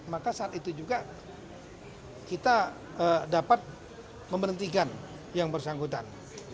maka saat itu juga kita dapat memberhentikan yang bersangkutan